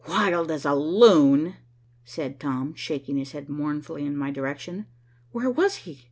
"Wild as a loon," said Tom, shaking his head mournfully in my direction. "Where was he?"